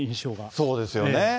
そうですよね。